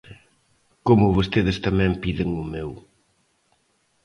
Como vostedes tamén piden o meu.